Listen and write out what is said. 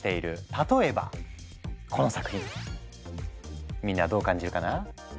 例えばこの作品みんなはどう感じるかな？